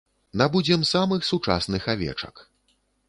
Набудзем самых сучасных авечак.